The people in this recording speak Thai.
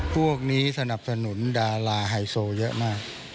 พวกนี้สนับสนุนดาราไฮโซเยอะมาก